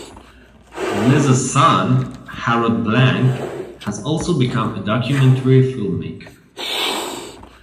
Les's son, Harrod Blank, has also become a documentary filmmaker.